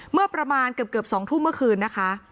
เมื่อประมาณเกือบ๒ทุ่มเมื่อคืนนะคะ